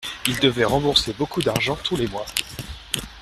Il devait rembourser beaucoup d’argent tous les mois.